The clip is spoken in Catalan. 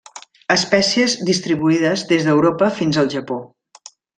Espècies distribuïdes des d'Europa fins al Japó.